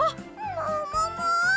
ももも！